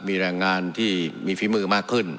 มีแรงงานที่มีฝีมือมากขึ้น